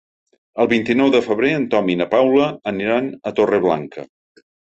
El vint-i-nou de febrer en Tom i na Paula aniran a Torreblanca.